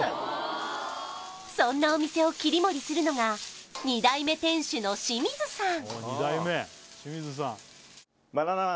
そんなお店を切り盛りするのが２代目店主の清水さん